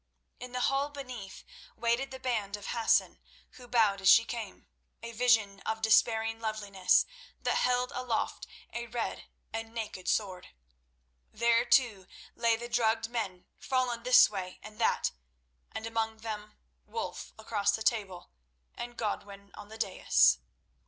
In the hall beneath waited the band of Hassan, who bowed as she came—a vision of despairing loveliness, that held aloft a red and naked sword. There, too, lay the drugged men fallen this way and that, and among them Wulf across the table, and Godwin on the dais.